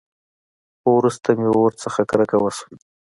خو وروسته مې ورنه کرکه وسوه.